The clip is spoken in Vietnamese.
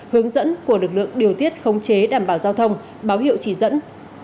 hướng dẫn của lực lượng điều tiết khống chế đảm bảo giao thông báo hiệu chỉ dẫn